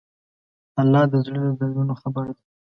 الله د زړه له دردونو خبر دی.